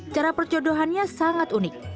cara perjodohannya sangat unik